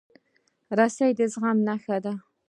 رسۍ د زغم نښه ده.